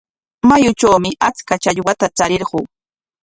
Mayutrawmi achka challwata charirquu.